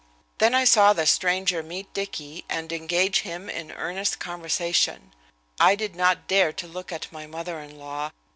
Then I saw the stranger meet Dicky and engage him in earnest conversation. I did not dare to look at my mother in law.